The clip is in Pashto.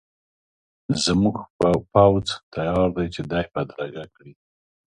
زموږ پوځ تیار دی چې دی بدرګه کړي.